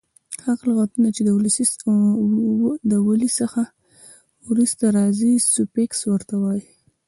هغه لغتونه چي د ولي څخه وروسته راځي؛ سوفیکس ور ته وایي.